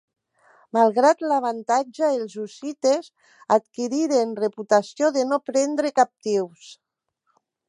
Malgrat l'avantatge, els hussites adquiriren reputació de no prendre captius.